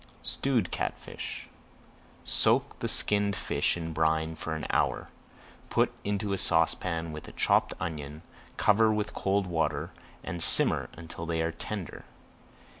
[Page 90] STEWED CATFISH Soak the skinned fish in brine for an hour. Put into a saucepan with a chopped onion, cover with cold water, and simmer until they are tender.